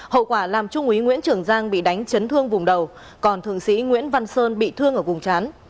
hậu quả làm trung úy nguyễn trường giang bị đánh chấn thương vùng đầu còn thượng sĩ nguyễn văn sơn bị thương ở vùng chán